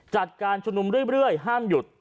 จัดการชุมนุมเรื่อยห้ามหยุด